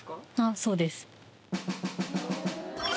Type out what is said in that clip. そうです